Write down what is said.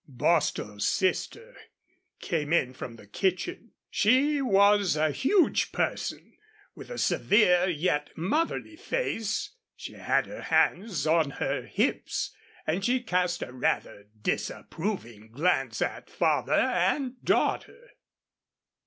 Bostil's sister came in from the kitchen. She was a huge person with a severe yet motherly face. She had her hands on her hips, and she cast a rather disapproving glance at father and daughter.